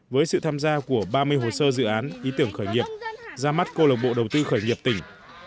với sự tham gia của ba mươi hồ sơ dự án ý tưởng khởi nghiệp ra mắt cô lộc bộ đầu tư khởi nghiệp tỉnh